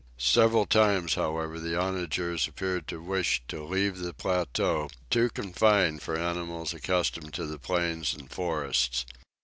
Several times, however, the onagers appeared to wish to leave the plateau, too confined for animals accustomed to the plains and forests.